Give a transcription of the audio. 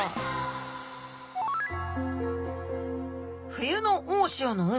冬の大潮の海。